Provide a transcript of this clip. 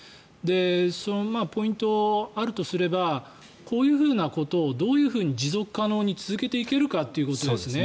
そのポイントがあるとすればこういうふうなことをどういうふうに持続可能に続けていけるかということですね。